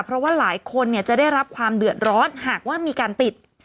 เพราะว่าหลายคนจะได้รับความเดือดร้อนหากว่ามีการปิด